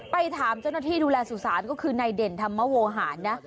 ไปถามเจ้าหน้าที่ดูแลสุสานก็คือนายเด่นธรรมโวหารนะ